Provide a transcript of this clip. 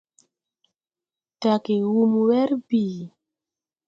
Daage wum wɛr bìi.